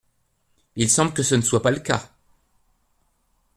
Il semble que ce ne soit pas le cas.